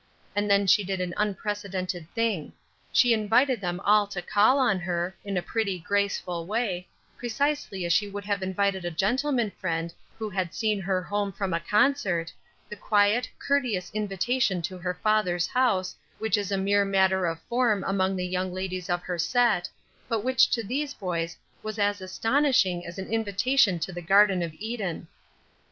And then she did an unprecedented thing. She invited them all to call on her, in a pretty, graceful way, precisely as she would have invited a gentleman friend who had seen her home from a concert, the quiet, courteous invitation to her father's house, which is a mere matter of form among the young ladies of her set, but which to these boys was as astonishing as an invitation to the Garden of Eden.